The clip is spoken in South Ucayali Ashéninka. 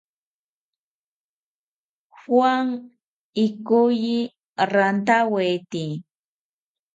Juan ikoyi rantawete